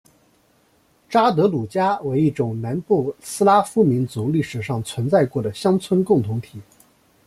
札德鲁加为一种南部斯拉夫民族历史上存在过的乡村共同体。